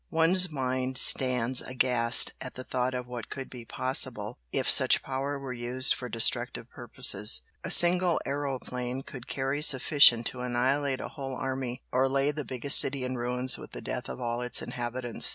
One's mind stands aghast at the thought of what could be possible if such power were used for destructive purposes; a single aeroplane could carry sufficient to annihilate a whole army, or lay the biggest city in ruins with the death of all its inhabitants."